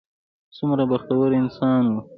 څومره بختور انسان و.